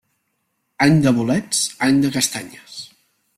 Any de bolets, any de castanyes.